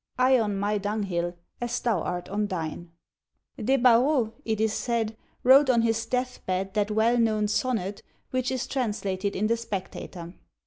I on my dunghill, as thou art on thine. Des Barreaux, it is said, wrote on his death bed that well known sonnet which is translated in the "Spectator."